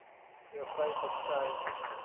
เผื่อใครสนใจ